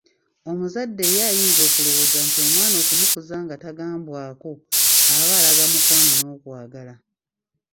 Omuzadde ye ayinza okulowooza nti omwana okumukuza nga tagambwako aba alaga mukwano n'okwagala.